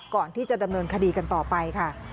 ก่อนที่จะดำเนินคดีกันต่อไปค่ะ